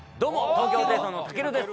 東京ホテイソンのたけるです。